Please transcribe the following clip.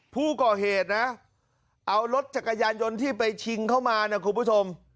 ผู้ก่อเหตุนะเอารถจักรยานยนต์ที่ไปชิงเข้ามานะคุณผู้ชม